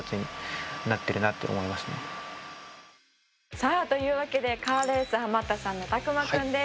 さあというわけでカーレースハマったさんのたくまくんです。